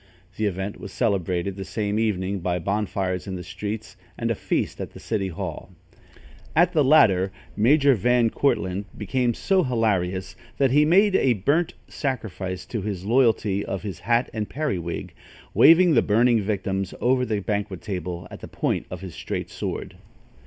The event was celebrated the same evening by bonfires in the streets and a feast at the city hall. At the latter, Major Van Cortlandt became so hilarious, that he made a burnt sacrifice to his loyalty of his hat and periwig, waving the burning victims over the banquet table on the point of his straight sword.